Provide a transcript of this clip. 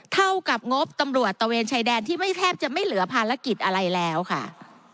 เท่ากับงบตำรวจตะเวนชายแดนที่ไม่แทบจะไม่เหลือภารกิจอะไรแล้วค่ะ